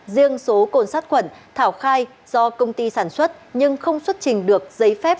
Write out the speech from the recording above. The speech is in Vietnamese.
riêng số cồn sát khuẩn thảo khai do công ty sản xuất nhưng không xuất trình được giấy phép